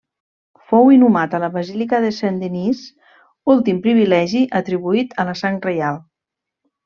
Fou inhumat a la Basílica de Saint-Denis, últim privilegi atribuït a la sang reial.